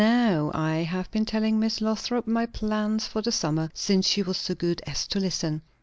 Now, I have been telling Miss Lothrop my plans for the summer, since she was so good as to listen."